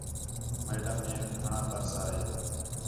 میڈمیک گھݨاں ترس آ ہے